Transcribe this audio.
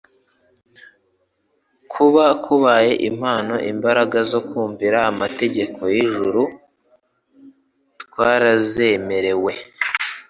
kuba kubaye impamo, imbaraga zo kumvira amategeko y'ijuru twarazemerewe .